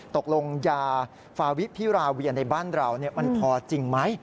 ตกลงยาฟาวิพิราเวียในบ้านเรามันพอจริงไหม